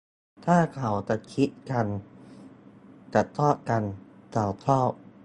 ถ้าเขาจะคลิกกัน จะชอบกัน เขาชอบ